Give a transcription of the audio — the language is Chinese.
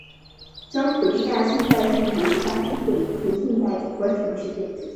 潘普利亚现代建筑是巴西的一处现代城市景观项目。